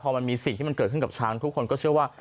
พอมันมีสิ่งที่มันเกิดขึ้นกับช้างทุกคนก็เชื่อว่า